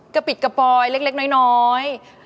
ปิดกระปอยเล็กน้อย